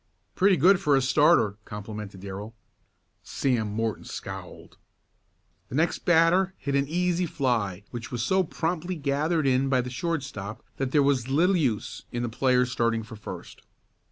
"Pretty good for a starter," complimented Darrell. Sam Morton scowled. The next batter hit an easy fly which was so promptly gathered in by the shortstop that there was little use in the player starting for first.